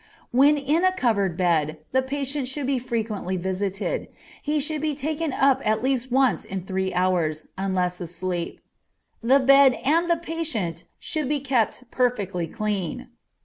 When in a covered bed the patient should be frequently visited; he should be taken up at least once in three hours, unless asleep; the bed and the patient should be kept perfectly clean.